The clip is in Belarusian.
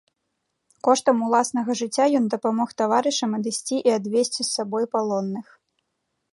Коштам уласнага жыцця ён дапамог таварышам адысці і адвесці з сабой палонных.